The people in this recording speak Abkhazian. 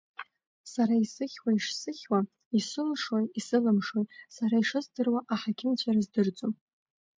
Сара исыхьуа ишсыхьуа, исылшои, исылымшои сара ишыздыруа аҳақьымцәа ирыздырӡом.